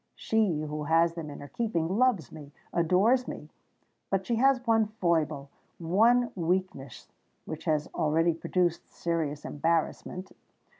She, who has them in her keeping, loves me—adores me: but she has one foible—one weakness which has already produced serious embarrassment.